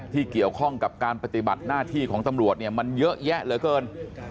ที่เกี่ยวข้องกับการปฏิบัติหน้าที่ของตำรวจเนี่ยมันเยอะแยะเหลือเกิน